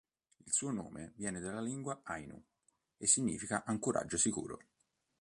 Il suo nome viene dalla lingua ainu e significa "ancoraggio sicuro".